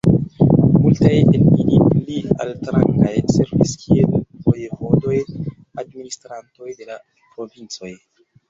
Multaj el ili, pli altrangaj, servis kiel vojevodoj, administrantoj de la provincoj.